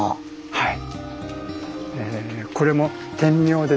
はい。